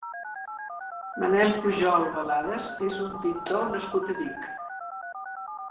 Manel Pujol Baladas és un pintor nascut a Vic.